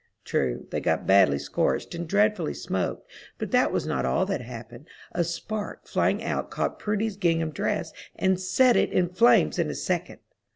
True, they got badly scorched and dreadfully smoked, but that was not all that happened. A spark flying out caught Prudy's gingham dress, and set it in flames in a second.